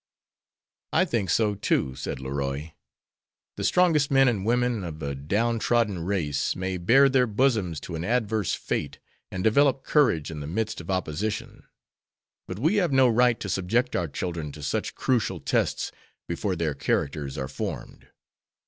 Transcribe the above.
"I think so, too," said Leroy. "The strongest men and women of a down trodden race may bare their bosoms to an adverse fate and develop courage in the midst of opposition, but we have no right to subject our children to such crucial tests before their characters are formed.